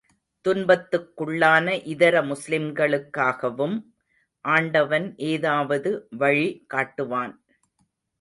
துன்பத்துக்குள்ளான இதர முஸ்லிம்களுக்காகவும் ஆண்டவன் ஏதாவது வழி காட்டுவான்.